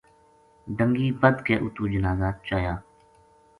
ڈَنگی بَدھ کے اُتو جنازہ چایا